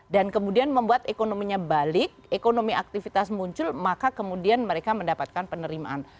dan kemudian membuat ekonominya balik ekonomi aktivitas muncul maka kemudian mereka mendapatkan penerimaan